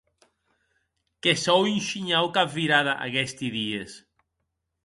Que sò un shinhau capvirada aguesti dies.